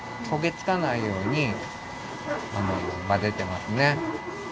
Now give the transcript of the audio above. こげつかないようにまぜてますね。